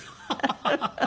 ハハハハ。